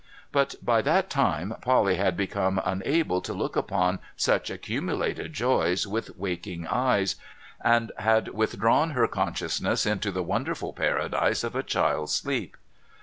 But, by that time, Polly had become unable to look upon such accumulated joys with waking eyes, and had withdrawn her consciousness into the wonderful Paradise of a child's sleep.